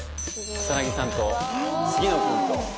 草さんと杉野君と。